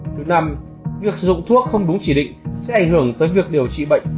thứ năm việc dụng thuốc không đúng chỉ định sẽ ảnh hưởng tới việc điều trị bệnh